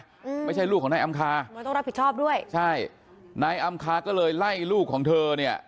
อืมไม่ใช่ลูกของนายอำคามือต้องรับผิดชอบด้วยใช่นายอำคาก็เลยไล่ลูกของเธอเนี่ย